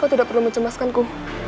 kau tidak perlu mencemaskanku